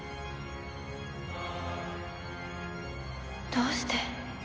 どうして？